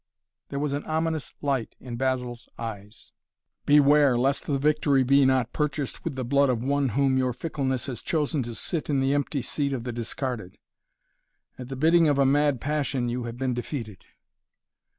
There was an ominous light in Basil's eyes. "Beware, lest the victory be not purchased with the blood of one whom your fickleness has chosen to sit in the empty seat of the discarded. At the bidding of a mad passion have you been defeated."